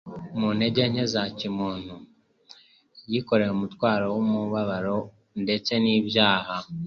Mu ntege nke za kimuntu, yikoreye umutwaro w'umubabaro ndetse n'ibyaha,